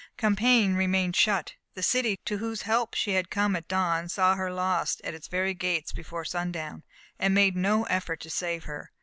Compiègne remained shut. The city to whose help she had come at dawn saw her lost at its very gates before sundown, and made no effort to save her.